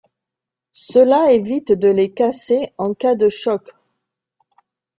Cela évite de les casser en cas de choc.